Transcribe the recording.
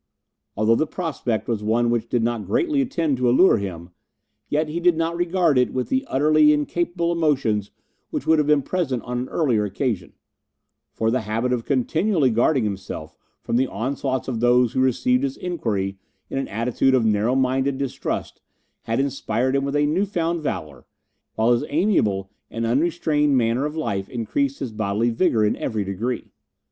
Although the prospect was one which did not greatly tend to allure him, yet he did not regard it with the utterly incapable emotions which would have been present on an earlier occasion; for the habit of continually guarding himself from the onslaughts of those who received his inquiry in an attitude of narrow minded distrust had inspired him with a new found valour, while his amiable and unrestrained manner of life increased his bodily vigour in every degree.